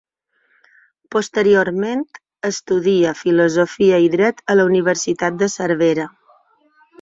Posteriorment, estudia Filosofia i Dret a la Universitat de Cervera.